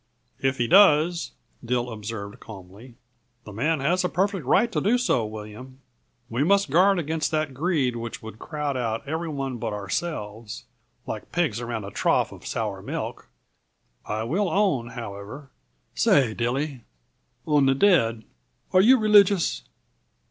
"If he does," Dill observed calmly, "the man has a perfect right to do so, William. We must guard against that greed which would crowd out every one but ourselves like pigs around a trough of sour milk! I will own, however " "Say, Dilly! On the dead, are yuh religious?"